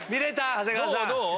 長谷川さん。